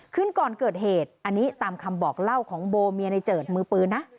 คืนก่อนเกิดเหตุอันนี้ตามคำบอกเล่าของโบเมียในเจิดมือปืนนะ